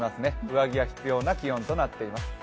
上着が必要な気温となっています。